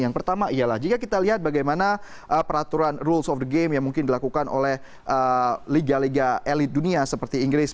yang pertama ialah jika kita lihat bagaimana peraturan rules of the game yang mungkin dilakukan oleh liga liga elit dunia seperti inggris